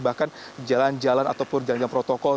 bahkan jalan jalan ataupun jalan jalan protokol